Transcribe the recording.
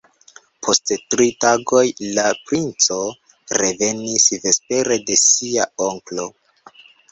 Post tri tagoj la princo revenis vespere de sia onklo.